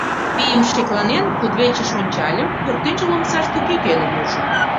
Пийым шекланен, кудывечыш ончальым, пӧртӧнчыл омсаште кӧгӧным ужым.